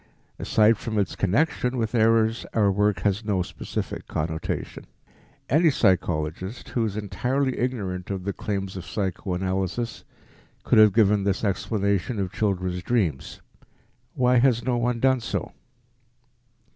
Aside from its connection with errors our work has no specific connotation. Any psychologist, who is entirely ignorant of the claims of psychoanalysis, could have given this explanation of children's dreams. Why has no one done so?